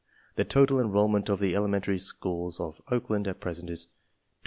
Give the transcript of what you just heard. The total enrollment of the elementary schools of Oakland at present is 26,647.